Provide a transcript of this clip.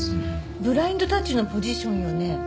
ブラインドタッチのポジションよね？